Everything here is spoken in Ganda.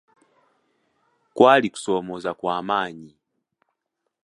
Kwali kusoomooza kwa maanyi.